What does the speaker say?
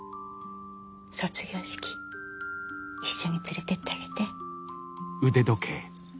卒業式一緒に連れてってあげて。